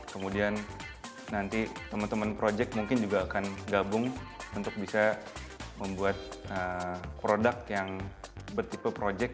kemudian nanti teman teman project mungkin juga akan gabung untuk bisa membuat produk yang bertipe project